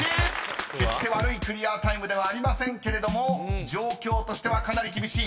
［決して悪いクリアタイムではありませんけれども状況としてはかなり厳しい。